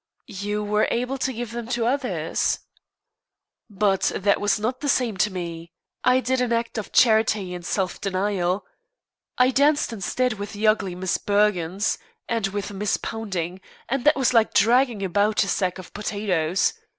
"You were able to give them to others." "But that was not the same to me. I did an act of charity and self denial. I danced instead with the ugly Miss Burgons and with Miss Pounding, and that was like dragging about a sack of potatoes.